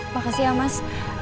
makasih ya mas